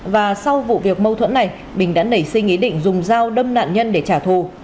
và sau vụ việc mâu thuẫn này bình đã nảy sinh ý định dùng dao đâm nạn nhân để trả thù